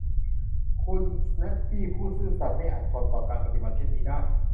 คุณสแนกส์บี้ผู้ซื่อสัตย์ไม่อาจทนต่อการปฏิบัติเช่นนี้ได้